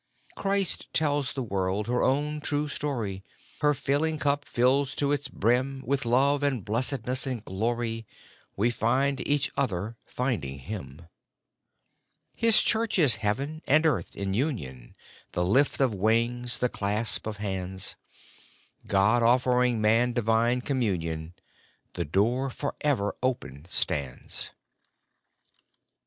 Christ tells the world her own true story ; Her failing cup fills to its brim With love, and blessedness, and glory ; We find each other, finding Him. His Church is heaven and earth in union ; The lift of wings, the clasp of hands ! God offering man divine communion !— The door forever open stands.